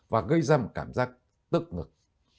và gây ra một cảm giác tức ngực